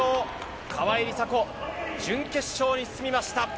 川井梨紗子、準決勝に進みました。